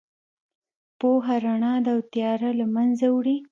پوهه رڼا ده او تیاره له منځه وړي.